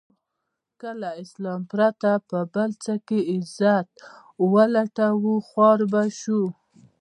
که له اسلام پرته په بل څه کې عزت و لټوو خوار به شو.